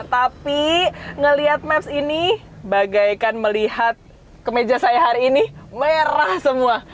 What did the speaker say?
tapi ngeliat maps ini bagaikan melihat kemeja saya hari ini merah semua